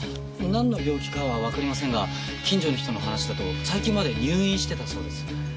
なんの病気かはわかりませんが近所の人の話だと最近まで入院してたそうです。